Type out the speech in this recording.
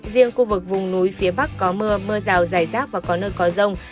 riêng khu vực vùng núi phía bắc có mưa mưa rào dài rác và có nơi có rông